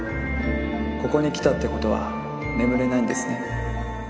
ここに来たってことは眠れないんですね？